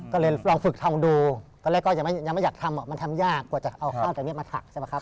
ก็เลยลองฝึกทำดูตอนแรกก็ยังไม่อยากทำมันทำยากกว่าจะเอาข้าวตอนนี้มาถักใช่ไหมครับ